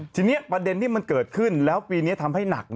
ทีนี้ประเด็นที่มันเกิดขึ้นแล้วปีนี้ทำให้หนัก